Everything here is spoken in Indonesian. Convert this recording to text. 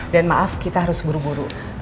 dan maaf kita harus buru buru